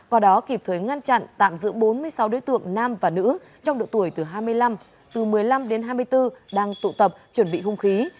qua đó kịp thuế ngăn chặn tạm giữ bốn mươi sáu đối tượng nam và nữ trong độ tuổi từ hai mươi năm từ một mươi năm đến hai mươi bốn đang tụ tập chuẩn bị hung khí